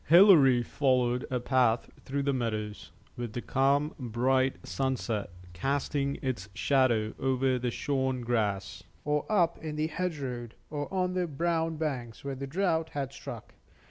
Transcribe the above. Hilary followed a path through the meadows, with the calm bright sunset casting its shadow over the shorn grass, or up in the hedge road, or on the brown banks where the drought had struck.